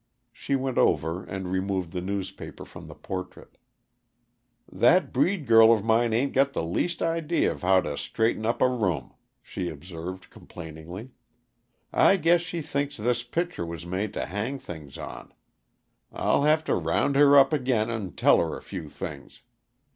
She went over and removed the newspaper from the portrait. "That breed girl of mine ain't got the least idea of how to straighten up a room," she observed complainingly. "I guess she thinks this picture was made to hang things on. I'll have to round her up again and tell her a few things.